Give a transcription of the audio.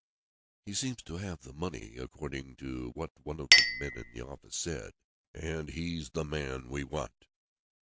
"He seems to have the money, according to what one of the men in the office said, and he's the man we want."